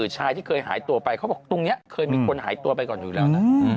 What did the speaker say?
ชายที่เคยหายตัวไปเขาบอกตรงนี้เคยมีคนหายตัวไปก่อนอยู่แล้วนะ